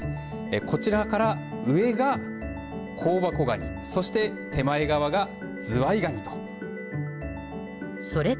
こちらから、上が香箱蟹そして、手前側がズワイガニと。